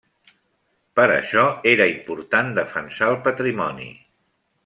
Per això, era important defensar el patrimoni.